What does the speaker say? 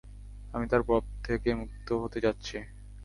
আমি তার প্রভাব থেকে মুক্ত হতে চাচ্ছি।